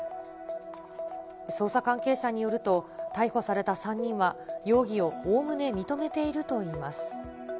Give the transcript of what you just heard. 捜査関係者によると、逮捕された３人は容疑をおおむね認めているといいます。